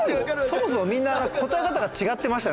そもそもみんな答え方が違ってましたよ